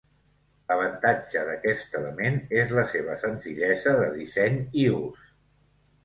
L'avantatge d'aquest element és la seva senzillesa de disseny i ús.